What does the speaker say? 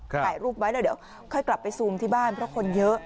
ถ่ายรูปไว้แล้วเดี๋ยวค่อยกลับไปซูมที่บ้านเพราะคนเยอะ